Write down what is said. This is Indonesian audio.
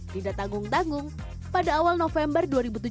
tidak tanggung tanggung pada awal november dua ribu tujuh belas